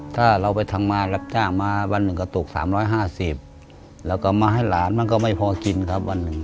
ถ้าเราไปทำงานรับจ้างมาวันหนึ่งก็ตก๓๕๐แล้วก็มาให้หลานมันก็ไม่พอกินครับวันหนึ่ง